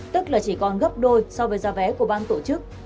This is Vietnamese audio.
tức là chỉ còn gấp đôi so với giá vé của ban tổ chức